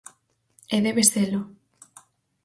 E debe selo.